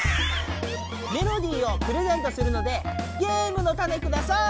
メロディーをプレゼントするのでゲームのタネください！